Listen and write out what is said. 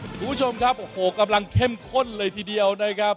คุณผู้ชมครับโอ้โหกำลังเข้มข้นเลยทีเดียวนะครับ